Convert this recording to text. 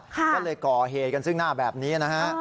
ก็เลยก่อเหตุกันซึ่งหน้าแบบนี้นะฮะ